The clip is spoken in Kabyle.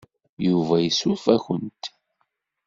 Yuba yessuref-awent.